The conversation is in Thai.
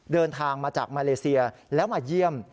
เดินทางมาจากมาเลเซียแล้วมาเยี่ยม